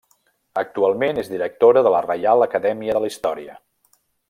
Actualment és directora de la Reial Acadèmia de la Història.